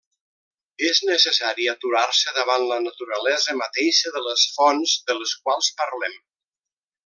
És necessari aturar-se davant la naturalesa mateixa de les fonts de les quals parlem.